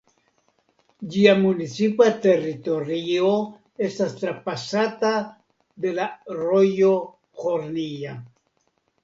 Ĝia municipa teritorio estas trapasata de la rojo Hornija.